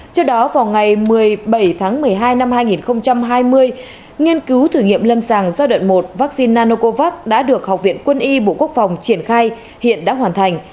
trước đó vào ngày một mươi bảy tháng một mươi hai năm hai nghìn hai mươi nghiên cứu thử nghiệm lâm sàng giai đoạn một vaccine nanocovax đã được học viện quân y bộ quốc phòng triển khai hiện đã hoàn thành